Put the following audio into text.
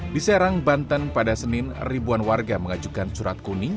di serang banten pada senin ribuan warga mengajukan surat kuning